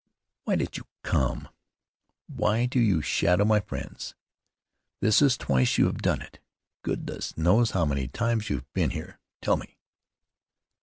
"Why did you come? Why do you shadow my friends? This is twice you have done it. Goodness knows how many times you've been here! Tell me."